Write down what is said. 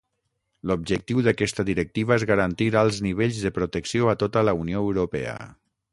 L'objectiu d'aquesta directiva és garantir alts nivells de protecció a tota la Unió Europea.